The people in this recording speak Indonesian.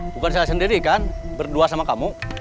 bukan saya sendiri kan berdua sama kamu